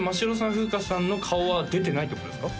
ふうかさんの顔は出てないってことですか？